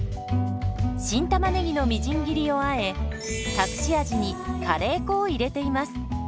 新たまねぎのみじん切りをあえ隠し味にカレー粉を入れています。